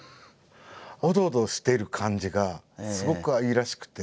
オドオドしてる感じがすごく愛らしくて。